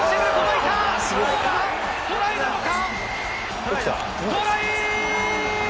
トライなのか？